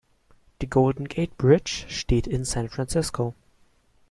Die Golden Gate Bridge steht in San Francisco.